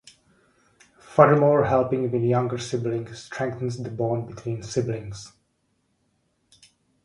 Furthermore, helping with younger siblings strengthens the bond between siblings.